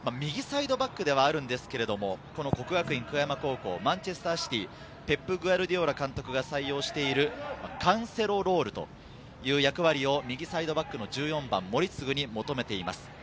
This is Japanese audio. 右サイドバックではあるんですけれど、國學院久我山高校、マンチェスター・シティ、ペップ・グアルディオラ監督が採用しているカンセロロールという役割を右サイドバックの１４番・森次に求めています。